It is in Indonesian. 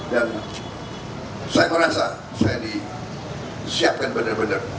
dan saya merasa saya disiapkan benar benar